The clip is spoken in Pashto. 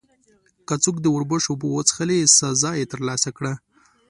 که څوک د اوربشو اوبه وڅښلې، سزا یې ترلاسه کړه.